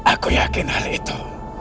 aku yakin hal itu